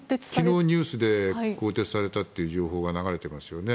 昨日、ニュースで更迭されたという情報が流れていますよね。